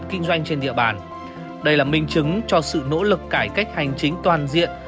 kinh doanh trên địa bàn đây là minh chứng cho sự nỗ lực cải cách hành chính toàn diện